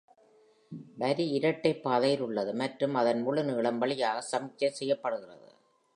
வரி இரட்டை பாதையில் உள்ளது மற்றும் அதன் முழு நீளம் வழியாக சமிக்ஞை செய்யப்படுகிறது